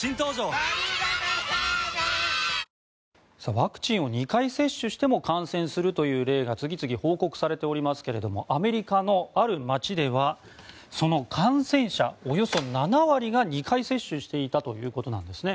ワクチンを２回接種しても感染するという例が次々報告されておりますけれどもアメリカのある街ではその感染者のおよそ７割が２回接種していたということなんですね。